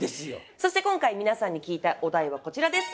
そして今回皆さんに聞いたお題はこちらです。